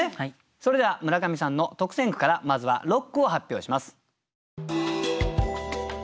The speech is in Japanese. それでは村上さんの特選句からまずは６句を発表します。